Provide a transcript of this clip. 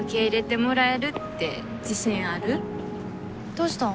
どうしたん？